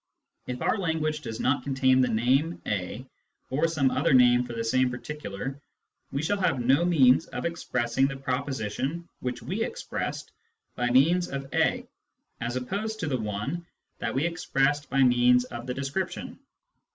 If our language does not contain the name " a" or some other name for the same particular, we shall have no means of expressing the proposition which we expressed by means of " a " as opposed to the one that Classes 183 we expressed by means of the description.